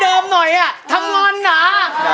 กล้อมหน่อยอ่ะทั้งงอนหนา